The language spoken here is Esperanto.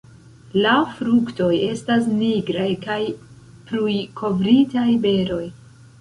La fruktoj estas nigraj kaj prujkovritaj beroj.